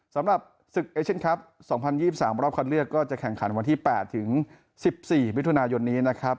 สำหรับศึกเอเชียนคลับ๒๐๒๓รอบคันเลือกก็จะแข่งขันวันที่๘ถึง๑๔มิถุนายนนี้นะครับ